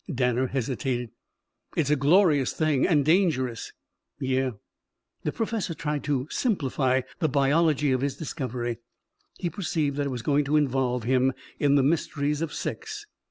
Danner hesitated. "It's a glorious thing. And dangerous." "Yeah." The professor tried to simplify the biology of his discovery. He perceived that it was going to involve him in the mysteries of sex.